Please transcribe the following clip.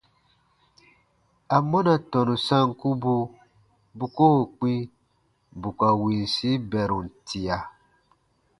Amɔna tɔnu sankubu bu koo kpĩ bù ka winsi bɛrum tia?